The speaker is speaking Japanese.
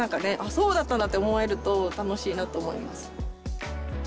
そうだったんだって思えると楽しいなと思います。